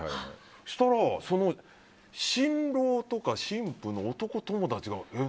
そうしたらその新郎とか新婦の男友達がえ？